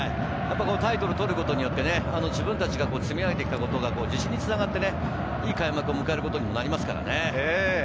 タイトルを取ることによって、自分達が積み上げてきたことが自信につながって、いい開幕につながることになります。